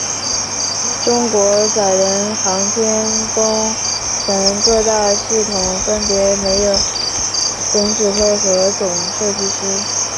中国载人航天工程各大系统分别设有总指挥和总设计师。